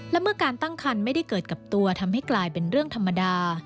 และเมื่อการตั้งคันไม่ได้เกิดกับตัวทำให้กลายเป็นเรื่องธรรมดา